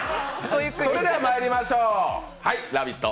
それではまいりましょう、「ラヴィット！」